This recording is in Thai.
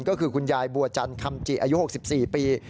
ก็คือคุณยายบัวจันคำจิอายุ๖๔ปี